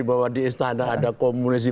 bahwa di istana ada komunikasi